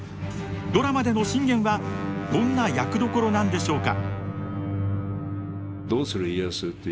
ドラマでの信玄はどんな役どころなんでしょうか。